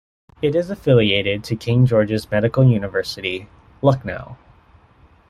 It is affiliated to King George's Medical University, Lucknow.